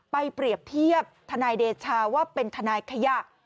เปรียบเทียบทนายเดชาว่าเป็นทนายขยะ